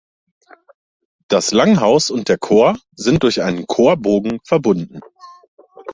Das Langhaus und der Chor sind durch einen Chorbogen verbunden.